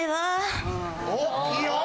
おいいよ！